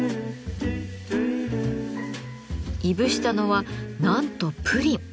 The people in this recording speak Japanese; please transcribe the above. いぶしたのはなんとプリン。